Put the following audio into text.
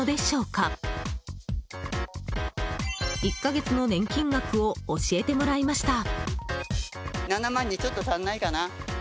１か月の年金額を教えてもらいました。